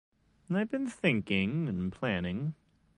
I’ve been thinking and planning.